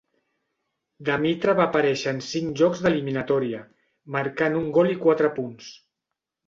Demitra va aparèixer en cinc jocs d'eliminatòria, marcant un gol i quatre punts.